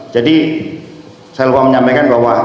jadi saya lupa menyampaikan bahwa